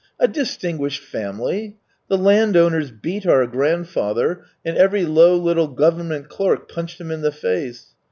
" A distinguished family ! The landowners beat our grandfather and every low little government clerk punched him in the face.